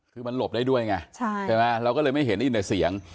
คือมันหลบได้ด้วยไงใช่ไหมเราก็เลยไม่เห็นได้ยินแต่เสียง